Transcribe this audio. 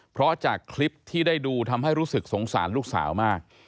เพราะจากคลิปที่ได้ดูทำให้รู้สึกสงสารลูกสาวมาก